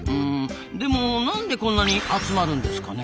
でもなんでこんなに集まるんですかね？